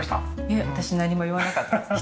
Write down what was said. いや私何も言わなかったです。